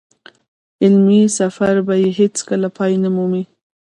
علمي سفر به يې هېڅ کله پای نه مومي.